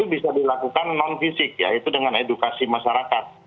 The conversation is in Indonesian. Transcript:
itu bisa dilakukan non fisik yaitu dengan edukasi masyarakat